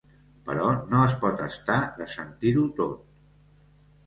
Però no es pot estar de sentir-ho tot.